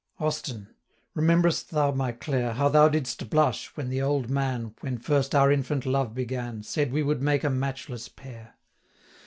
Austin, remember'st thou, my Clare, 175 How thou didst blush, when the old man, When first our infant love began, Said we would make a matchless pair?